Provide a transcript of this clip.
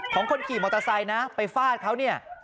คนขี่มอเตอร์ไซค์นะไปฟาดเขาเนี่ย